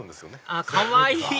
あっかわいい！